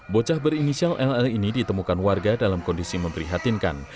bocah berinisial la ini ditemukan warga dalam kondisi memprihatinkan